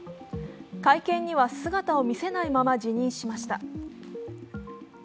会見には姿を見せないまま、辞任しました。